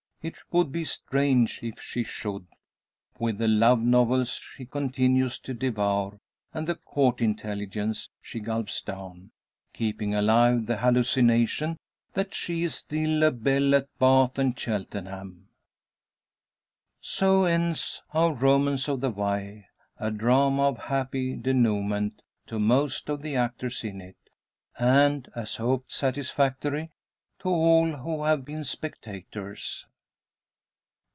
It would be strange if she should, with the love novels she continues to devour, and the "Court Intelligence" she gulps down, keeping alive the hallucination that she is still a belle at Bath and Cheltenham. So ends our "Romance of the Wye;" a drama of happy denouement to most of the actors in it; and, as hoped, satisfactory to all who have been spectators.